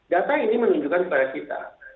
data ini menunjukkan kepada kita